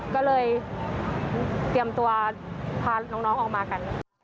ก็เลยเตรียมตัวพาน้องออกมากัน